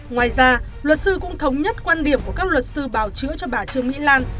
ngoài ra luật sư cũng thống nhất quan điểm của các luật sư bào chữa cho bà trương mỹ lan